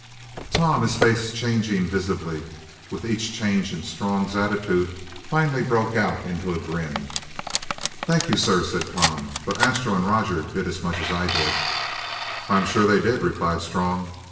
Tom, his face changing visibly with each change in Strong's attitude, finally broke out into a grin. "Thank you, sir," said Tom, "but Astro and Roger did as much as I did." "I'm sure they did," replied Strong.